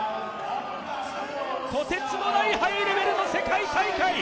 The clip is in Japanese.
とてつもないハイレベルな世界大会。